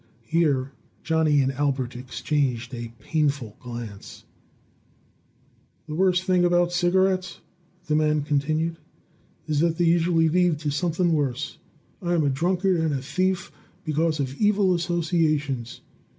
Here Johnny and Albert exchanged a painful glance. "The worst thing about cigarettes," the man continued, "is that they usually lead to something worse. I am a drunkard and a thief, because of evil associations.